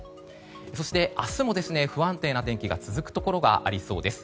そして明日も不安定な天気が続くところがありそうです。